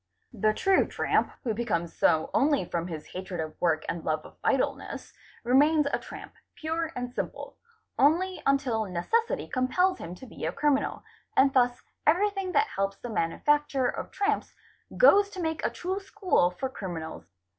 The true tramp, who becomes so only from his hatred of work and love of idleness, remains a tramp, pure and simple, only until necessity compels him to be a criminal, and thus everything that helps the manufacture of tramps, goes to make a true school for criminals.